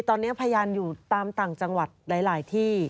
ตอนนี้พยานอยู่ตามต่างจังหวัดหลายที่